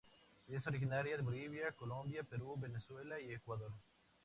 Es originaria de Bolivia, Colombia, Perú, Venezuela y Ecuador.